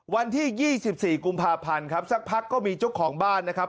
วันที่๒๔กุมภาพันธ์ครับสักพักก็มีเจ้าของบ้านนะครับ